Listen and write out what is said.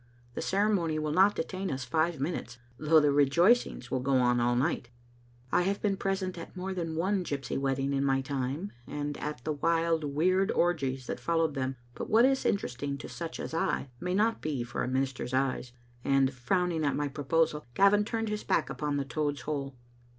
The ceremony will not detain us five minutes, though the rejoicings will go on all night" I have been present at more than one gypsy wedding in my time, and at the wild, weird orgies that followed them, but what is interesting to such as I may not be for a minister's eyes, and, frowning at my proposal, Gavin turned his back upon the Toad's hole.